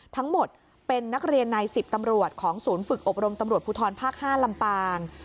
ทั้งหมดเป็นนักเรียนใน๑๐ตำรวจของศูนย์ฝึกอบรมตำรวจภูทรภาค๕ลำปาง